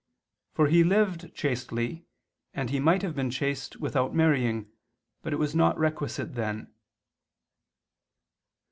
For he lived chastely, and he might have been chaste without marrying, but it was not requisite then."